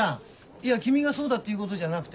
いや君がそうだっていうことじゃなくて。